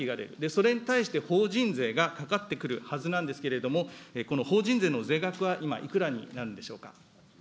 それに対して法人税がかかってくるわけですけれども、法人税の税額は今、いくらになるんでしょうか。